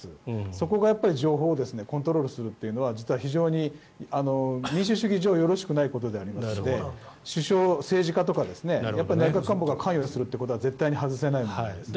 そこが情報をコントロールするというのは実は非常に民主主義上よろしくないことでありまして首相、政治家とか内閣官房が関与するということは絶対に外せないんですね。